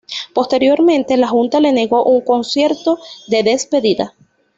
Posteriormente, la Junta le negó un concierto de despedida.